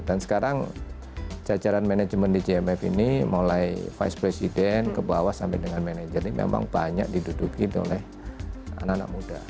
dan sekarang cacaran management di jmf ini mulai vice president ke bawah sampai dengan manager ini memang banyak diduduki oleh anak anak muda